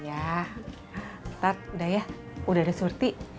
iya tar udah ya udah ada surti